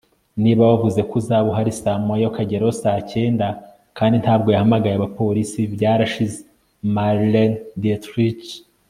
niba wavuze ko uzaba uhari saa moya ukagerayo saa cyenda, kandi ntabwo yahamagaye abapolisi - byarashize. - marlene dietrich